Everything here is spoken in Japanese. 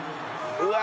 うわ！